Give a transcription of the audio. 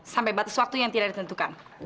sampai batas waktu yang tidak ditentukan